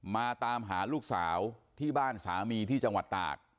มาตามหาลูกสาวที่บ้านสามีที่จังหวัดตาก